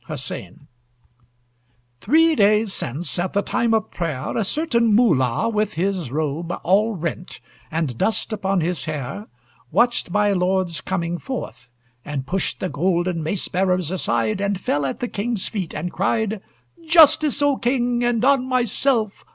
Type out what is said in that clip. HUSSEIN Three days since, at the time of prayer, A certain Moollah, with his robe All rent, and dust upon his hair, Watched my lord's coming forth, and pushed The golden mace bearers aside, And fell at the King's feet, and cried: "Justice, O King, and on myself!